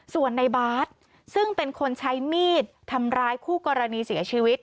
ส่วนในบาสซึ่งเป็นคนใช้มีดทำร้ายคู่กรณีเสียชีวิต